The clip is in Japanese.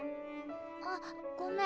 あごめん。